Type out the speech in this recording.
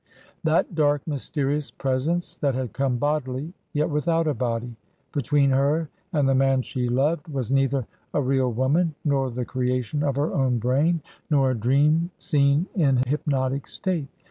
That dark, mysterious presence that had come bodily, yet without a body, between her and the man she loved was neither a real woman, nor the creation of her own brain, nor a dream seen in hypnotic state.